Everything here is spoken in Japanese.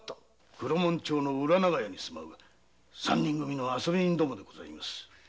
黒門町の裏長屋に住む三人組の遊び人でございます。